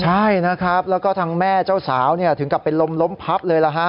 ใช่นะครับแล้วก็ทางแม่เจ้าสาวถึงกลับเป็นลมล้มพับเลยล่ะฮะ